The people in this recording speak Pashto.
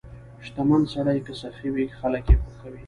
• شتمن سړی که سخي وي، خلک یې خوښوي.